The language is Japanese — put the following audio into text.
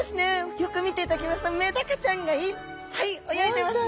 よく見ていただきますとメダカちゃんがいっぱい泳いでますね。